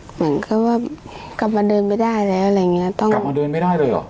เหมือนเขาว่ากลับมาเดินไม่ได้แล้วอะไรอย่างเงี้ยต้องกลับมาเดินไม่ได้เลยเหรอ